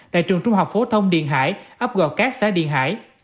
tại trường trung học phố thông điền hải ấp gò cát xã điền hải